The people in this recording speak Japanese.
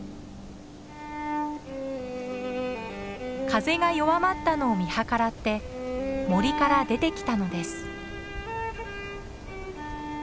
風が弱まったのを見計らって森から出てきたのです。